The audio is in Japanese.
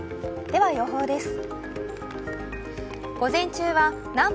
では予報です。